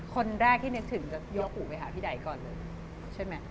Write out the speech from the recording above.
คนแรกที่นึกถึงจะโยกูไปหาพี่ไดก่อนเลยใช่ไหม